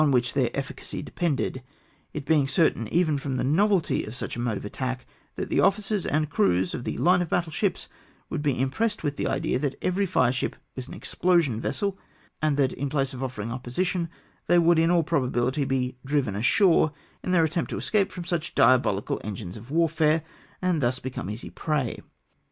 wliicli their efficacy depended ; it being certain, even from the novelty of such a mode of attack, tliat the officers and crews of the hne of battle ships would be impressed with the idea that every fire ship was an explosion vessel, and that in place of offering opposition, they would, in aU probabihty, be driven ashore in theu' attempt to escape from such diabohcal engines of war fare, and thus become an easy prey.